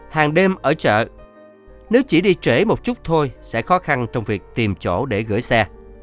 hàng đêm ở chợ nếu chỉ đi trễ một chút thôi sẽ khó khăn trong việc tìm chỗ để gửi xe